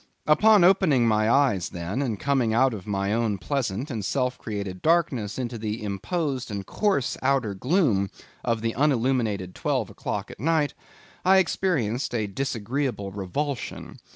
Upon opening my eyes then, and coming out of my own pleasant and self created darkness into the imposed and coarse outer gloom of the unilluminated twelve o'clock at night, I experienced a disagreeable revulsion.